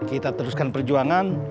kita teruskan perjuangan